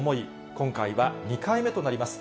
今回は２回目となります。